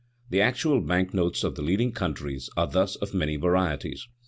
The actual bank notes of the leading countries are thus of many varieties.